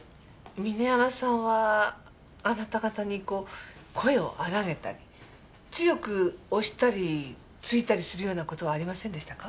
峰山さんはあなた方にこう声を荒げたり強く押したり突いたりするような事はありませんでしたか？